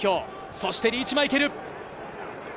そしてリーチ・マイケル。